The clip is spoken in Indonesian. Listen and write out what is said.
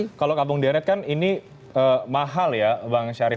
tapi kalau kampung deret kan ini mahal ya bang syarif